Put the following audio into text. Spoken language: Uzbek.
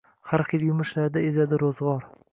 Har xil yumushlarda ezadi ro‘zg‘or